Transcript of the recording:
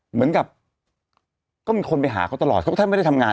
เหมือนก็มีคนไปหาเค้าตลอดเค้าก็ไม่ได้ทำงานค่ะ